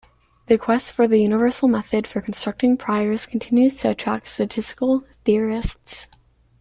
The quest for "the universal method for constructing priors" continues to attract statistical theorists.